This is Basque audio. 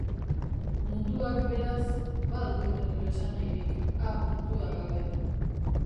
Munduak, beraz, ba al du berriro esanahirik A. gabe?